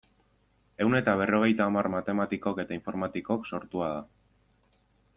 Ehun eta berrogeita hamar matematikok eta informatikok sortua da.